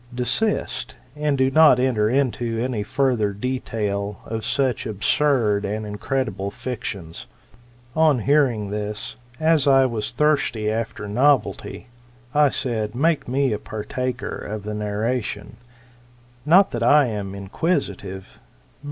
Desist, and do not enter into any further detail of such absurd and incredible fictions. On hearing this, as I was thirsty after novelty, I said. Make me a partaker of your narration; not that I am inquisitive, but.